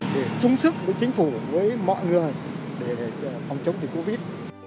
để chung sức với chính phủ với mọi người để phòng chống dịch covid